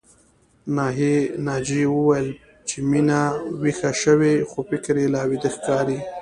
ناجيې وويل چې مينه ويښه شوې خو فکر يې لا ويده ښکاري